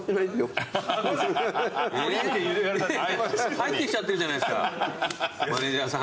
入ってきちゃってるじゃないですかマネジャーさん。